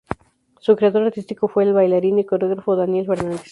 Su creador artístico fue el bailarín y coreógrafo Daniel Fernández.